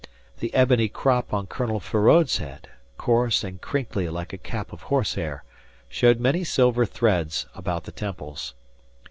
The ebony crop on Colonel Feraud's head, coarse and crinkly like a cap of horsehair, showed many silver threads about the temples.